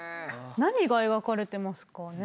何が描かれてますかね？